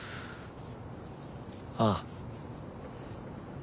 ああ。